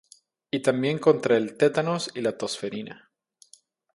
y también contra el tétanos y la tosferina